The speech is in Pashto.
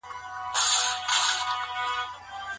د دلارام ولسوالي تل زموږ په یادونو کي پاتې ده